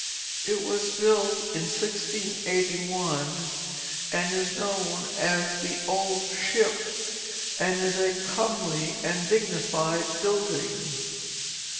It was built in 1681, and is known as the "Old Ship," and is a comely and dignified building.